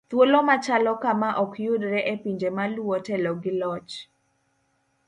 thuolo machalo kama okyudre e pinje maluwo telo gi loch